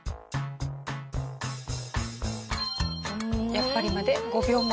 「やっぱり！」まで５秒前。